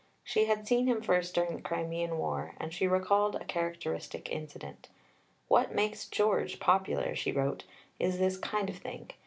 She had seen him first during the Crimean War, and she recalled a characteristic incident. "What makes 'George' popular," she wrote, "is this kind of thing.